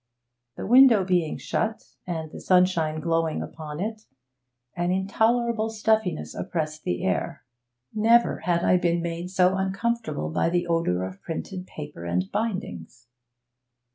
The window being shut, and the sunshine glowing upon it, an intolerable stuffiness oppressed the air. Never had I been made so uncomfortable by the odour of printed paper and bindings.